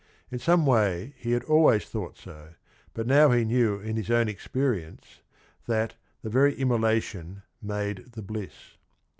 In some way he had always thought so, but now he knew in his own experience that "The very immolation made the bliss."